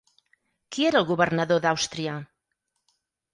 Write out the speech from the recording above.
Qui era el governador d'Àustria?